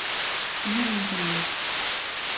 Многу му се налутив.